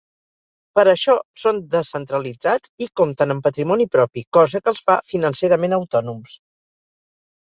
Per això, són descentralitzats i compten amb patrimoni propi, cosa que els fa financerament autònoms.